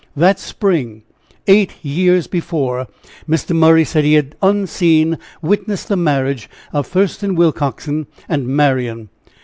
That spring, eight years before, Mr. Murray said he had, unseen, witnessed the marriage of Thurston Willcoxen and Marian.